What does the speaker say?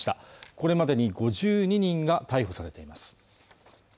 これまでに５２人が逮捕されています